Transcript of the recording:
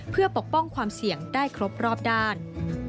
เพื่อปกป้องความเสี่ยงได้ครบรอบด้าน